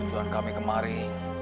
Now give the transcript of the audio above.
tujuan kami kemari